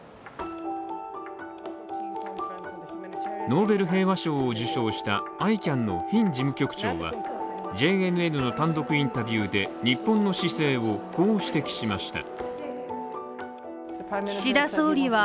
ノーベル平和賞を受賞したＩＣＡＮのフィン事務局長がＪＮＮの単独インタビューで、日本の姿勢をこう指摘しました。